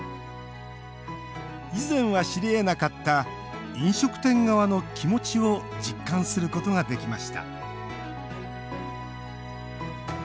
以前は知りえなかった飲食店側の気持ちを実感することができました